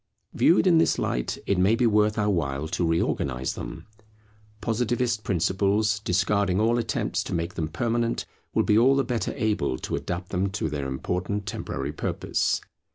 Viewed in this light, it may be worth our while to reorganize them. Positivist principles, discarding all attempts to make them permanent, will be all the better able to adapt them to their important temporary purpose.